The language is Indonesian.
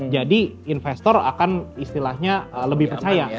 jadi investor akan istilahnya lebih percaya